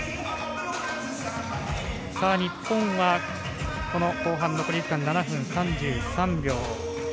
日本は後半、残り７分３３秒。